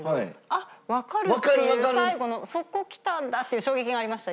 あっわかる！っていう最後の「そこ来たんだ！」っていう衝撃がありました